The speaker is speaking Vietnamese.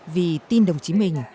vì tin đồng chí mình